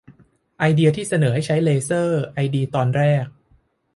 ไอเดียที่เสนอให้ใช้เลเซอร์ไอดีตอนแรก